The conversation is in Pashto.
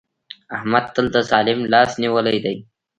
احمد تل د ظالم لاس نيولی دی.